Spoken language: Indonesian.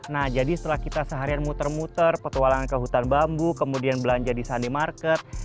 nah jadi setelah kita seharian muter muter petualangan ke hutan bambu kemudian belanja di sunday market